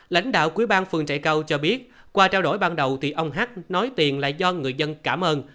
lãnh đạo quỹ ban phường trại câu cho biết qua trao đổi ban đầu thì ông hát nói tiền lại do người dân cảm ơn